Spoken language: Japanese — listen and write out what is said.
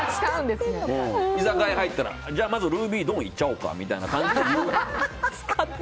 居酒屋に入ったらまずルービー、ドンいっちゃおうかみたいな。